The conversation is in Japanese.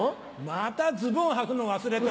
またズボンはくの忘れて。